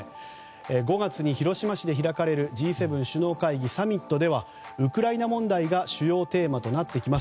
５月に広島市で開かれるＧ７首脳会議サミットではウクライナ問題が主要テーマとなってきます。